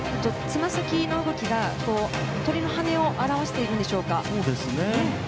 つま先の動きが、鳥の羽を表しているんでしょうか。